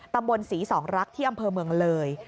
ตำบลศรีสองรักที่อำเภอเมืองเลย